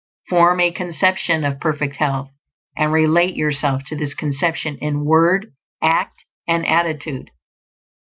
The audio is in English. Form a conception of perfect health, and relate yourself to this conception in word, act, and attitude.